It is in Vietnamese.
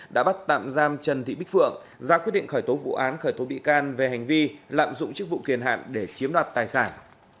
đã bắt tạm giam trần thị bích phượng ra quyết định khởi tố vụ án khởi tố bị can về hành vi lạm dụng chức vụ kiền hạn để chiếm đoạt tài sản